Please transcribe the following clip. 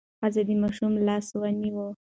ښځه د ماشوم لاس ونیو.